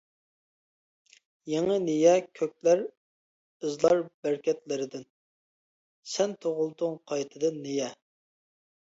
يېڭى نىيە كۆكلەر ئىزلار بەرىكەتلىرىدىن، سەن تۇغۇلدۇڭ قايتىدىن نىيە.